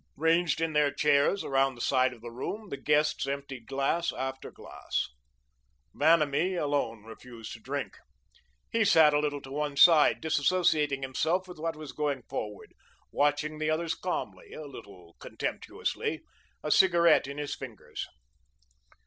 Ranged in their chairs around the side of the room, the guests emptied glass after glass. Vanamee alone refused to drink. He sat a little to one side, disassociating himself from what was going forward, watching the others calmly, a little contemptuously, a cigarette in his fingers.